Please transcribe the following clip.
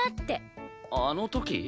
あの時？